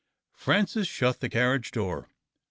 Francis shut the carriage door.